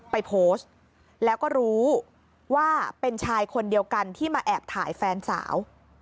ไปโพสต์แล้วก็รู้ว่าเป็นชายคนเดียวกันที่มาแอบถ่ายแฟนสาว